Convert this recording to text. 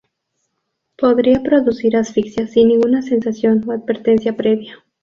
Podría producir asfixia sin ninguna sensación o advertencia previa.